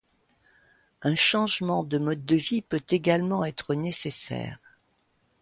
Un changement de mode de vie peut également être nécessaire.